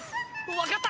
わかった！